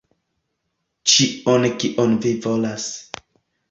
Ĉion kion vi volas.